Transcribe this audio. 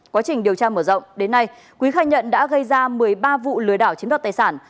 quá trình điều tra mở rộng đến nay quý khai nhận đã gây ra một mươi ba vụ lừa đảo chiếm đoạt tài sản